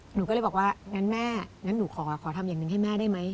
หนูบอกว่างั้นหนูขอขอทำอย่างนึงให้แม่ได้ไหม